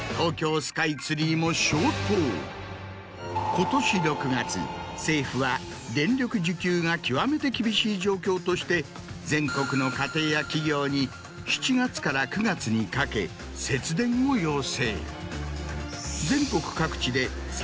今年６月政府は電力需給が極めて厳しい状況として全国の家庭や企業に７月から９月にかけ節電を要請。